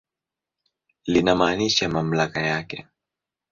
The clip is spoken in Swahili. Linamaanisha mamlaka yake.